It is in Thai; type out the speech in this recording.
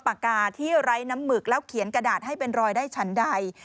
ปากกาที่ไร้น้ำหมึกแล้วเขียนกระดาษให้เป็นรอยได้ฉันใด